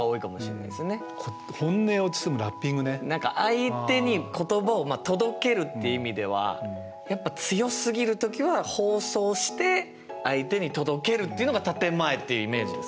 何か相手に言葉を届けるって意味ではやっぱ強すぎる時は包装して相手に届けるっていうのが建て前っていうイメージですかね。